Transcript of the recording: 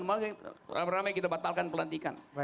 makanya ramai ramai kita batalkan pelantikan